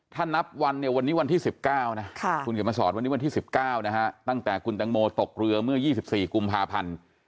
ถ้านับวันเนี่ยวันนี้วันที่๑๙นะคุณเขียนมาสอนวันนี้วันที่๑๙นะฮะตั้งแต่คุณตังโมตกเรือเมื่อ๒๔กุมภาพันธ์